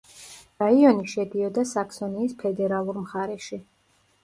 რაიონი შედიოდა საქსონიის ფედერალურ მხარეში.